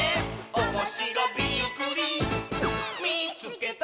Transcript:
「おもしろびっくりみいつけた！」